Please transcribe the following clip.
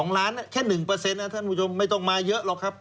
๒ล้านแค่๑ท่านผู้ชมไม่ต้องมาเยอะหรอกครับ